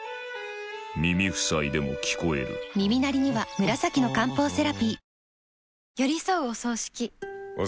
耳塞いでも聞こえる耳鳴りには紫の漢方セラピー